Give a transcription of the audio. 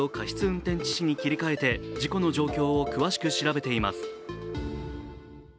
運転致死に切り替えて事故の状況を詳しく調べています。